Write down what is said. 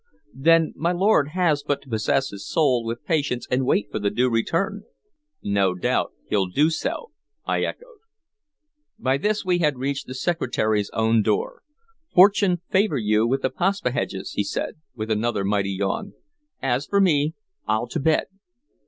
"Then my lord has but to possess his soul with patience and wait for the Due Return. No doubt he'll do so." "No doubt he'll do so," I echoed. By this we had reached the Secretary's own door. "Fortune favor you with the Paspaheghs!" he said, with another mighty yawn. "As for me, I'll to bed.